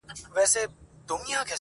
مامد خيره، ستا ئې د خيره.